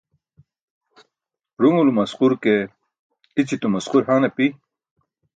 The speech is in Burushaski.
Ruṅulum asqur ke i̇ćitum asqur han api.